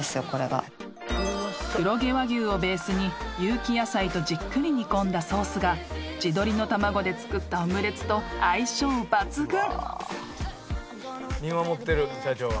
［黒毛和牛をベースに有機野菜とじっくり煮込んだソースが地鶏の卵で作ったオムレツと相性抜群］